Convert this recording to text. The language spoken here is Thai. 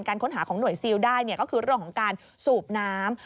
ค้นหาของหน่วยซิลได้ก็คือเรื่องของการสูบน้ำ